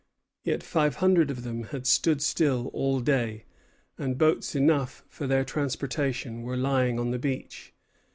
Yet five hundred of them had stood still all day, and boats enough for their transportation were lying on the beach.